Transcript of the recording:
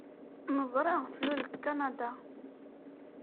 Neẓra tlul deg Kanada.